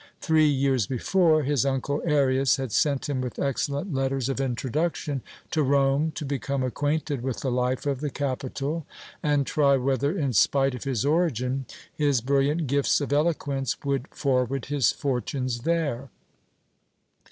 Three years before, his uncle Arius had sent him with excellent letters of introduction to Rome to become acquainted with the life of the capital and try whether, in spite of his origin, his brilliant gifts of eloquence would forward his fortunes there.